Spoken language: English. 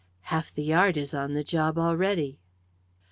"Half the Yard is on the job already."